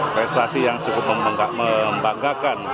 prestasi yang cukup membanggakan